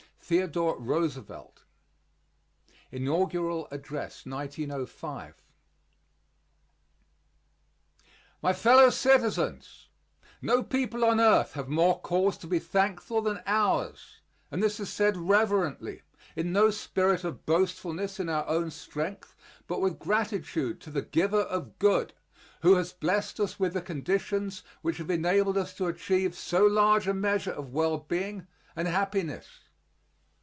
THEODORE ROOSEVELT INAUGURAL ADDRESS (1905) MY FELLOW CITIZENS: No people on earth have more cause to be thankful than ours, and this is said reverently, in no spirit of boastfulness in our own strength, but with gratitude to the Giver of Good, Who has blessed us with the conditions which have enabled us to achieve so large a measure of well being and happiness.